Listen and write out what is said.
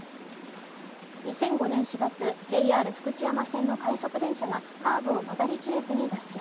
２００５年４月、ＪＲ福知山線の快速電車がカーブを曲がりきれずに脱線。